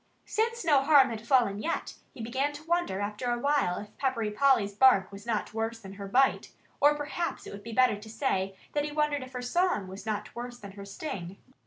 Since no harm had yet fallen him, he began to wonder after a while if Peppery Polly's bark was not worse than her bite or perhaps it would be better to say that he wondered if her song was not worse than her sting.